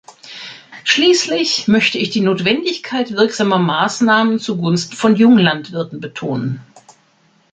Schließlich möchte ich die Notwendigkeit wirksamer Maßnahmen zugunsten von Junglandwirten betonen.